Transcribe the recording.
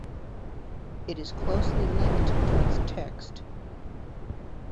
It is closely linked to its text.